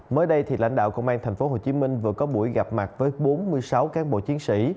mới đây lãnh đạo công an tp hcm vừa có buổi gặp mặt với bốn mươi sáu cán bộ chiến sĩ